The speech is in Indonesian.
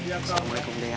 assalamualaikum deh ya